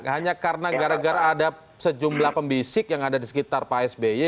hanya karena gara gara ada sejumlah pembisik yang ada di sekitar pak sby